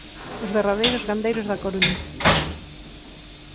Os derradeiros gandeiros da Coruña.